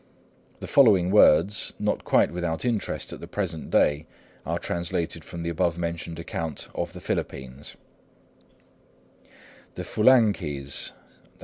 The following words, not quite without interest at the present day, are translated from the above mentioned account of the Philippines:— "The Fulanghis (_i.